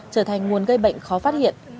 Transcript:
trở thành nguồn gây bệnh khó phát hiện